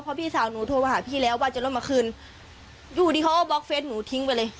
เพราะพี่สาวหนูโทรมาหาพี่แล้วว่าจะรถมาคืนอยู่ดีเขาก็บล็อกเฟสหนูทิ้งไปเลย